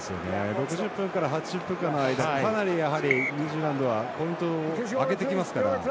６０分から８０分の間かなり、ニュージーランドはポイントを挙げてきますから。